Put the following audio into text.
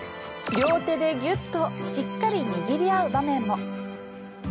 両手でギュッとしっかり握り合う場面も。